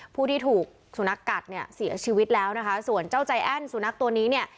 ผู้ที่ถูกสุนัขกัดเนี่ยเสียชีวิตแล้วนะคะส่วนเจ้าใจแอ้นสุนัขตัวนี้เนี่ย